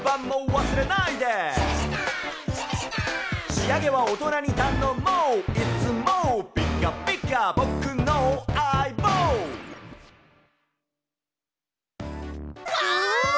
「仕上げは大人にたのもう」「いつもピカピカぼくのあいぼう」わ！